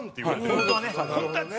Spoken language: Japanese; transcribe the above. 本当はね。